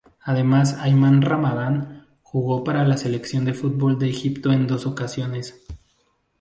Además Ayman Ramadan jugó para la selección de fútbol de Egipto en dos ocasiones.